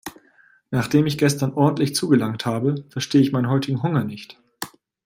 Nachdem ich gestern ordentlich zugelangt habe, verstehe ich meinen heutigen Hunger nicht.